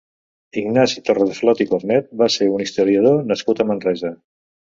Ignasi Torradeflot i Cornet va ser un historiador nascut a Manresa.